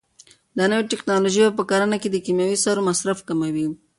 دا نوې ټیکنالوژي په کرنه کې د کیمیاوي سرو مصرف کموي.